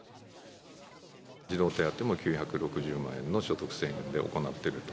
児童手当も９６０万円の所得制限で行っていると。